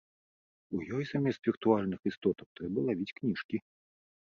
У ёй замест віртуальных істотаў трэба лавіць кніжкі.